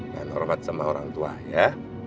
dan hormat sama orang tua ya